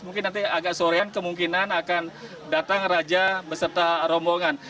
mungkin nanti agak sorean kemungkinan akan datang raja beserta rombongan